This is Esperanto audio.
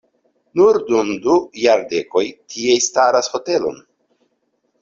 Nur dum du jardekoj tie staras hotelon.